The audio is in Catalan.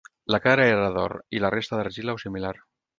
La cara era d'or i la resta d'argila o similar.